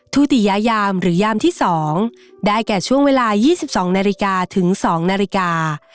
ุติยายามหรือยามที่๒ได้แก่ช่วงเวลา๒๒นาฬิกาถึง๒นาฬิกา